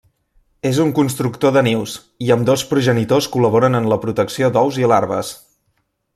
És un constructor de nius i ambdós progenitors col·laboren en la protecció d'ous i larves.